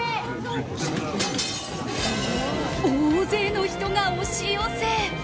大勢の人が押し寄せ。